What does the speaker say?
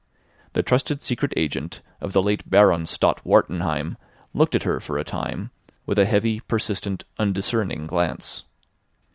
The trusted secret agent of the late Baron Stott Wartenheim looked at her for a time with a heavy, persistent, undiscerning glance.